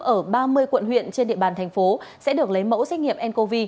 ở ba mươi quận huyện trên địa bàn thành phố sẽ được lấy mẫu xét nghiệm ncov